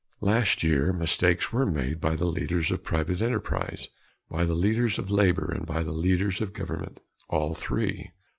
Last year mistakes were made by the leaders of private enterprise, by the leaders of labor and by the leaders of government all three.